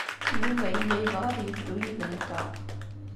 Yuba yella yebɣa ad yeddu yid-nteɣ.